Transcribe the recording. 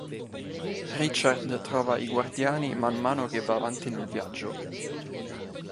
Richard trova i Guardiani man mano che va avanti nel viaggio.